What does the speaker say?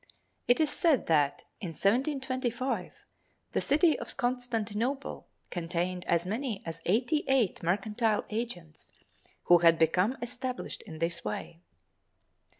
It is said that, in 1725, the city of Constantinople contained as many as eighty eight mercantile agents who had become established in this way.